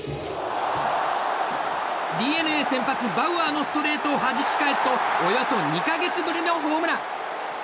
ＤｅＮＡ先発、バウアーのストレートをはじき返すとおよそ２か月ぶりのホームラン。